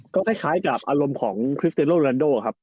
ก็คล้ายกับอารมณ์ของคริสเตโลลันโดครับ